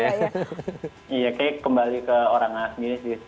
iya kayaknya kembali ke orang asing